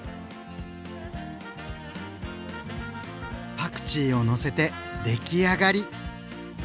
パクチーをのせて出来上がり！